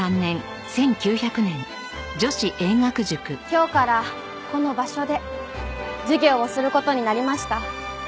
今日からこの場所で授業をする事になりました。